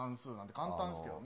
簡単ですけどね。